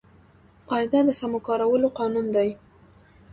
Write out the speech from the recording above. قاعده د سمو کارولو قانون دئ.